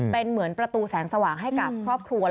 เป็นเหมือนประตูแสงสว่างให้กับครอบครัว